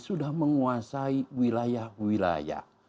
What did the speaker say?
sudah menguasai wilayah wilayah